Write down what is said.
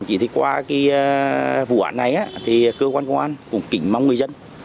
thì qua cái vụ án này thì cơ quan công an cũng kính mong người dân